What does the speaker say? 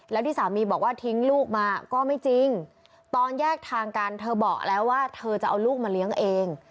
แล้วที่สามีบอกว่าทิ้งลูกมาก็ไม่จริงตอนแยกทางกันเธอบอกแล้วว่าเธอจะเอาลูกมาเลี้ยงเอง